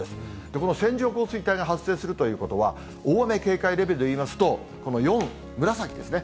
この線状降水帯が発生するということは、大雨警戒レベルでいいますと、この４、紫ですね。